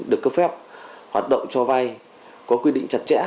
được cấp phép hoạt động cho vay có quy định chặt chẽ